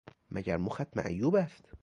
مگر مخت معیوب است!